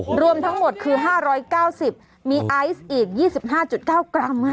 โอ้โหรวมทั้งหมดคือห้าร้อยเก้าสิบมีไอซ์อีกยี่สิบห้าจุดเก้ากรัมค่ะ